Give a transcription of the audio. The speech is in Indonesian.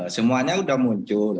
semuanya sudah muncul